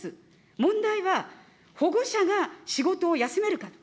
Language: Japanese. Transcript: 問題は、保護者が仕事を休めるか。